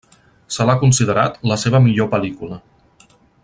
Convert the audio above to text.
Se l'ha considerat la seva millor pel·lícula.